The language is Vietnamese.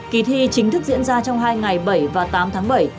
kỳ thi chính thức diễn ra trong hai ngày bảy và tám tháng bảy